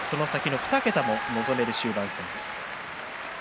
そのあとの２桁を望める終盤戦です。